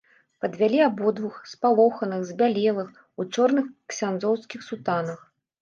Падвялі абодвух, спалоханых, збялелых, у чорных ксяндзоўскіх сутанах.